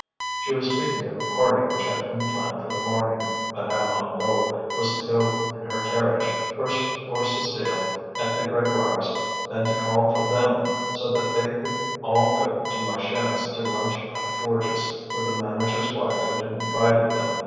She was speaking of a party which had been planned for the morning, Madame Hennebeau was to go in her carriage, first for Cécile, at the Grégoires', then to call for them, so that they could all go to Marchiennes to lunch at the Forges, where the manager's wife had invited them.